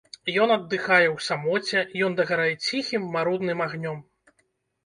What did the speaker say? Ён аддыхае ў самоце, ён дагарае ціхім, марудным агнём.